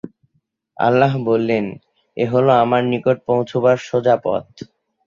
আল্লাহ বললেন, এ হলো আমার নিকট পৌঁছুবার সোজা পথ।